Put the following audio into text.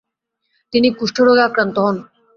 তিনি কুষ্ঠ রোগে আক্রান্ত হন।